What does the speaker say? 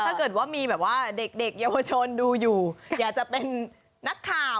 ถ้าเกิดว่ามีแบบว่าเด็กเยาวชนดูอยู่อยากจะเป็นนักข่าว